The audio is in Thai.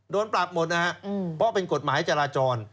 โดนปรับหมดนะฮะเพราะเป็นกฎหมายจราจร